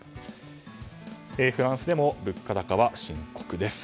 フランスでも物価高は深刻です。